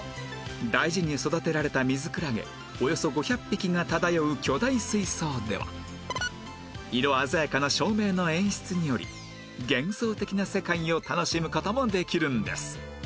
大事に育てられたミズクラゲおよそ５００匹が漂う巨大水槽では色鮮やかな照明の演出により幻想的な世界を楽しむ事もできるんです